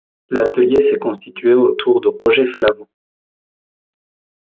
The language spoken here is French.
L'atelier s'est constitué autour de Roger Flament.